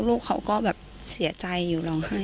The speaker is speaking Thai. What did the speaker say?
ลูกเขาก็แบบเสียใจอยู่ร้องไห้